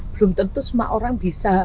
belum tentu semua orang bisa